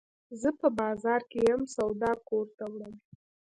زه په بازار کي یم، سودا کور ته وړم.